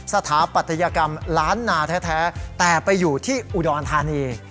สถาปัตยกรรมล้านนาแท้แต่ไปอยู่ที่อุดรธานี